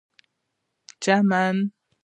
چمن